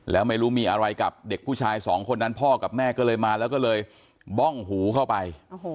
แล้วไม่รู้มีอะไรกับเด็กผู้ชายสองคนนั้นพ่อกับแม่ก็เลยมาแล้วก็เลยบ้องหูเข้าไป